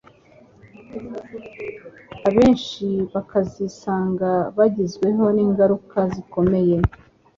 abenshi bakazisanga bagizweho n'ingaruka zikomeye